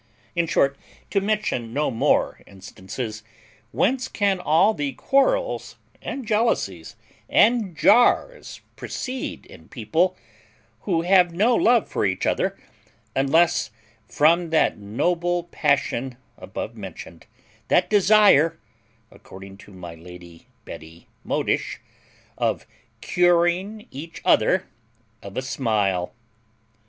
In short, to mention no more instances, whence can all the quarrels, and jealousies, and jars proceed in people who have no love for each other, unless from that noble passion above mentioned, that desire, according to my lady Betty Modish, of CURING EACH OTHER OF A SMILE.